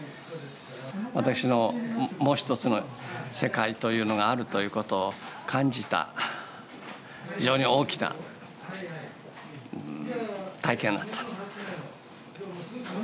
私のもう一つの世界というのがあるということを感じた非常に大きな体験だった。